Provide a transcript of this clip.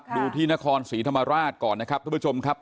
ดูที่นครศรีธรรมราชก่อนนะครับทุกผู้ชมครับ